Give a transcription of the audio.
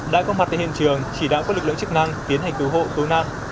đã có mặt tại hiện trường chỉ đạo các lực lượng chức năng tiến hành cứu hộ cứu nạn